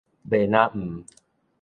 欲若毋